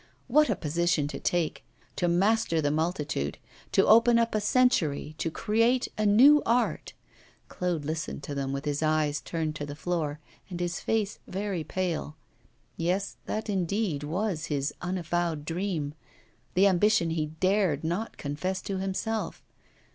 What a position to take! to master the multitude, to open up a century, to create a new art! Claude listened to them, with his eyes turned to the floor and his face very pale. Yes, that indeed was his unavowed dream, the ambition he dared not confess to himself.